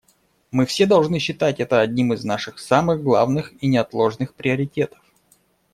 Мы все должны считать это одним из наших самых главных и неотложных приоритетов.